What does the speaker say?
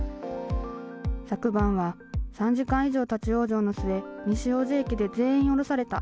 昨晩は３時間以上立往生の末、西大路駅で全員降ろされた。